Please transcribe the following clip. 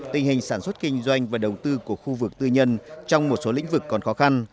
tình hình sản xuất kinh doanh và đầu tư của khu vực tư nhân trong một số lĩnh vực còn khó khăn